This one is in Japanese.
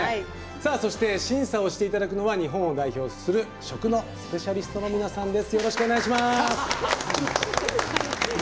そして、審査をしていただくのは日本を代表する食のスペシャリストの皆さんです。